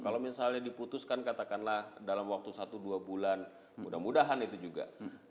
kalau misalnya diputuskan katakanlah dalam waktu satu dua bulan mudah mudahan itu juga